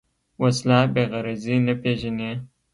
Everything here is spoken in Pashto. وسله بېغرضي نه پېژني